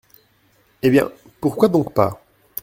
Eh bien, pourquoi donc pas ?